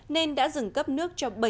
nên đã dừng cấp nước cho bảy mươi hộ dân